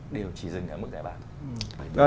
đều chỉ dừng ở mức giải ba